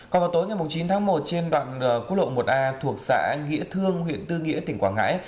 còn vào tối ngày chín tháng một trên đoạn quốc lộ một a thuộc xã nghĩa thương huyện tư nghĩa tỉnh quảng ngãi